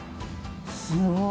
すごい。